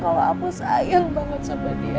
kalau aku sayang banget sama dia